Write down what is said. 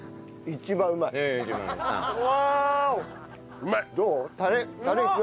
一番うまいです。